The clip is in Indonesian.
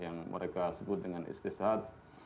yang mereka sebut dengan istisat